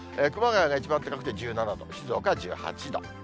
熊谷が一番高くて１７度、静岡は１８度。